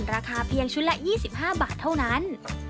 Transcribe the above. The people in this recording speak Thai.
ราคาเพียงชุดละ๒๕บาทเท่านั้น